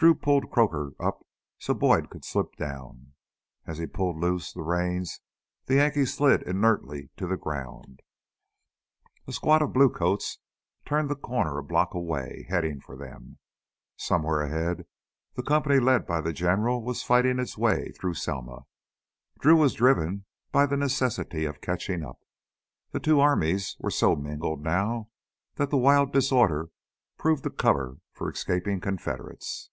Drew pulled Croaker up so Boyd could slip down. As he pulled loose the reins the Yankee slid inertly to the ground. A squad of blue coats turned the corner a block away, heading for them. Somewhere ahead, the company led by the General was fighting its way through Selma. Drew was driven by the necessity of catching up. The two armies were so mingled now that the wild disorder proved a cover for escaping Confederates.